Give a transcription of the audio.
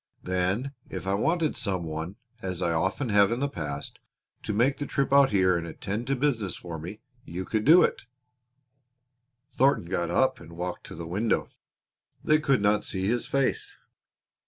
Then if I wanted some one, as I often have in the past, to make the trip out here and attend to business for me, you could do it." Thornton got up and walked to the window. They could not see his face.